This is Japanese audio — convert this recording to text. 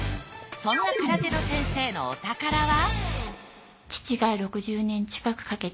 そんな空手の先生のお宝は？